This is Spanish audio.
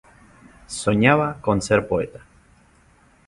Soñaba con ser poeta.